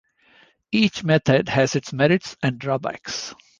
Each method has its merits and drawbacks.